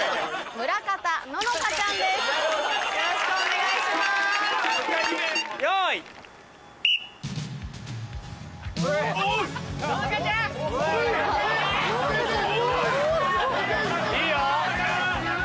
いいよ。